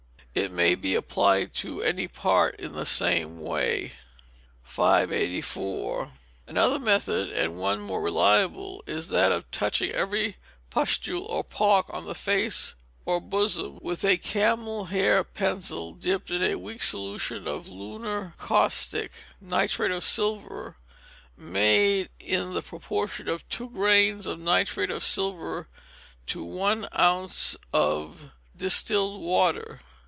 It may be applied to any part in the same way. 584. Another Method, and one more reliable, is that of touching every pustule, or poc, on the face or bosom with a camel hair pencil dipped in a weak solution of lunar caustic (nitrate of silver), made in the proportion of two grains of nitrate of silver to one ounce of distilled water.